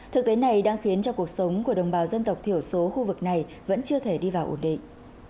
thực tế này đang khiến cho cuộc sống của đồng bào dân tộc thiểu số khu vực này vẫn chưa thể đi vào ổn định